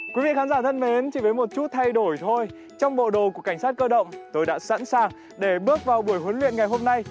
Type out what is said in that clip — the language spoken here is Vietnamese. quý vị khán giả thân mến chỉ với một chút thay đổi thôi trong bộ đồ của cảnh sát cơ động tôi đã sẵn sàng để bước vào buổi huấn luyện ngày hôm nay